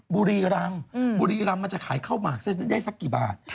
บุรีรำบุรีรำมันจะขายข้าวหมากได้สักกี่บาท